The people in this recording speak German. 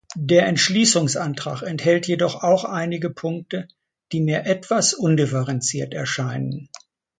Der Entschließungsantrag enthält jedoch auch einige Punkte, die mir etwas undifferenziert erscheinen.